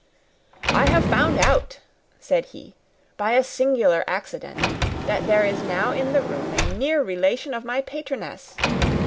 "I have found out," said he, "by a singular accident, that there is now in the room a near relation to my patroness.